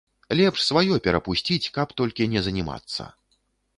Лепш сваё перапусціць, каб толькі не занімацца.